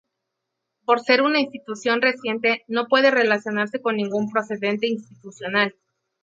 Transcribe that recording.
Por ser una institución reciente, no puede relacionarse con ningún precedente institucional.